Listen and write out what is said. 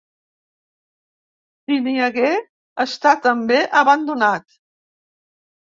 Si n'hi hagué, està també abandonat.